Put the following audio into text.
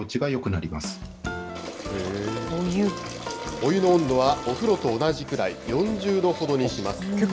お湯の温度は、お風呂と同じくらい４０度ほどにします。